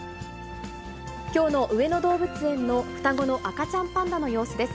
きょうの上野動物園の双子の赤ちゃんパンダの様子です。